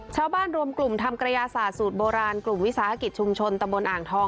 เช้าบ้านรวมกลุ่มทำกระยาสาดสูตรโบราณกลุ่มวิศาคกิจชุมชนตมอ่างทอง